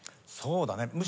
そうだね。